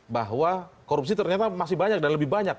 bahwa korupsi ternyata masih banyak dan lebih banyak